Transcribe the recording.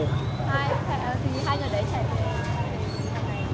hai người đánh chạy về